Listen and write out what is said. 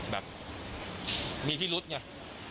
แบบมีที่รุดเนี่ย